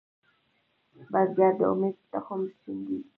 بزګر د امید تخم شیندي